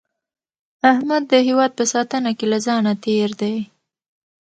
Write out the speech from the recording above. احمد د هیواد په ساتنه کې له ځانه تېر دی.